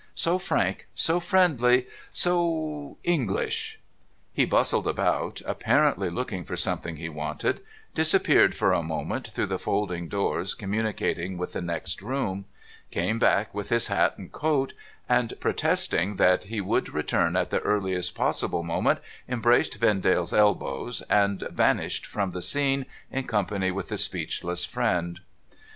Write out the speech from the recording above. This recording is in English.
' So frank, so friendly, so English !' He bustled about^ apparently looking for something he wanted, disappeared for a moment through the folding doors communicating with the next GEORGE VEND ALE AND MARGUERITE 519 room, came back with his hat and coat, and protesting that he would return at the earliest possible moment, embraced Vendale's elbows, and vanished from the scene in company with the speechless friend.